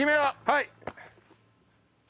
はい！